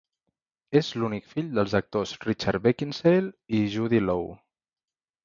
És l'únic fill dels actors Richard Beckinsale i Judy Loe.